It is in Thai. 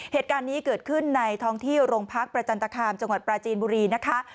เหตุการณ์นี้เกิดขึ้นในท้องที่โรงพักประจันตคามจังหวัดปราจีนบุรีนะคะ